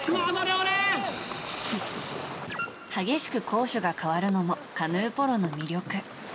激しく攻守が変わるのもカヌーポロの魅力。